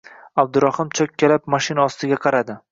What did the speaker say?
Abdurahim choʻkkalab, mashina ostiga qaradi